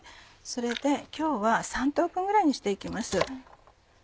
それで今日は３等分ぐらいにして行きます。